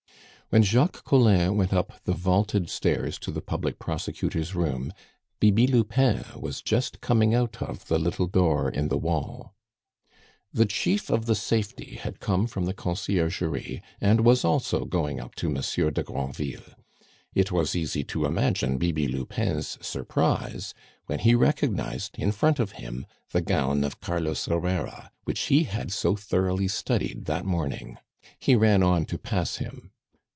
When Jacques Collin went up the vaulted stairs to the public prosecutor's room, Bibi Lupin was just coming out of the little door in the wall. The chief of the "Safety" had come from the Conciergerie, and was also going up to Monsieur de Granville. It was easy to imagine Bibi Lupin's surprise when he recognized, in front of him, the gown of Carlos Herrera, which he had so thoroughly studied that morning; he ran on to pass him.